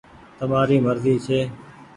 تمآري مرزي ڇي۔